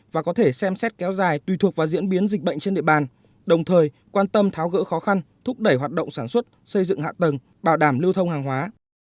và có thể xem xét kéo dài tùy thuộc vào diễn biến dịch bệnh trên địa bàn đồng thời quan tâm tháo gỡ khó khăn thúc đẩy hoạt động sản xuất xây dựng hạ tầng bảo đảm lưu thông hàng hóa